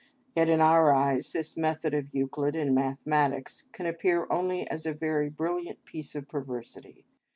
Yet in our eyes this method of Euclid in mathematics can appear only as a very brilliant piece of perversity.